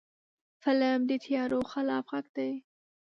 فلم د تیارو خلاف غږ دی